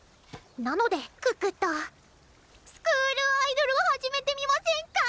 なので可可とスクールアイドルを始めてみませんか？